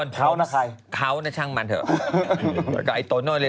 คิดโดนอะไรมาเนี่ย